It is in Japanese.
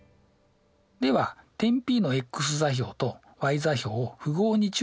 では点Ｐのｘ座標とｙ座標を符号に注意しながら求めます。